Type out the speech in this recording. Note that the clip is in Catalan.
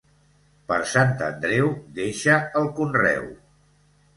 Per Sant Andreu, deixa el conreu.